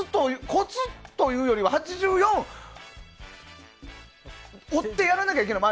コツというよりは、８４追ってやらなきゃいけない。